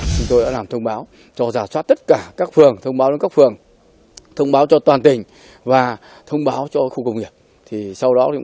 chúng tôi đã làm thông báo cho giả soát tất cả các phường thông báo đến các phường thông báo cho toàn tỉnh và thông báo cho khu công nghiệp